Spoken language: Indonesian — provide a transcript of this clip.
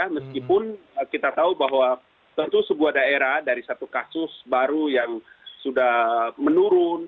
meskipun kita tahu bahwa tentu sebuah daerah dari satu kasus baru yang sudah menurun